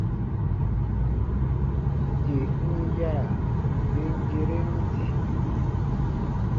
Yè n yara ben geren di.